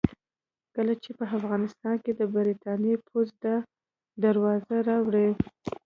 کله چې په افغانستان کې د برتانیې پوځ دا دروازې راوړې.